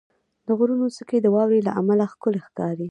• د غرونو څوکې د واورې له امله ښکلي ښکاري.